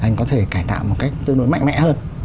anh có thể cải tạo một cách tương đối mạnh mẽ hơn